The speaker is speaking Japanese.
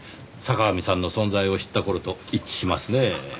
坂上さんの存在を知った頃と一致しますねぇ。